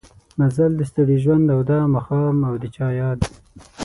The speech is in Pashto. مزل د ستړي ژوند او دا ماښام او د چا ياد